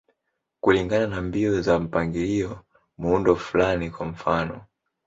Kulingana na mbinu za mpangilio, muundo fulani, kwa mfano.